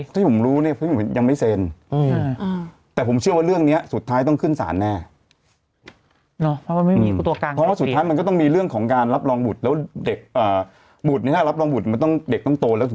ผมมันไม่ได้กลัวเงื้อขึ้นไปแล้ว